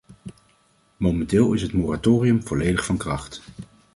Momenteel is het moratorium volledig van kracht.